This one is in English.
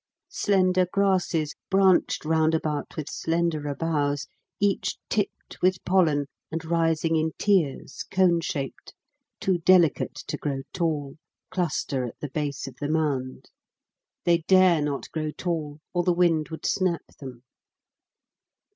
Slender grasses, branched round about with slenderer boughs, each tipped with pollen and rising in tiers cone shaped too delicate to grow tall cluster at the base of the mound. They dare not grow tall or the wind would snap them.